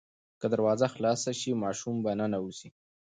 که دروازه خلاصه شي ماشوم به ننوځي.